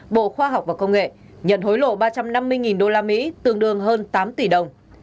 bộ khoa học và công nghệ nhận hối lộ ba trăm năm mươi đô la mỹ tương đương hơn tám tỷ đồng